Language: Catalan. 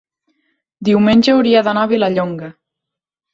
Diumenge hauria d'anar a Vilallonga.